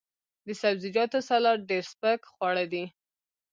د سبزیجاتو سلاد ډیر سپک خواړه دي.